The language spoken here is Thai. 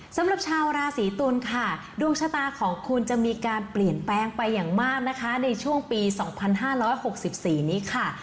สำหรับชาวราศีตุลค่ะดวงชะตาของคุณจะมีการเปลี่ยนแปลงไปอย่างมากนะคะในช่วงปี๒๕๖๔นี้ค่ะ